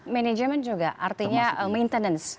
manajemen juga artinya maintenance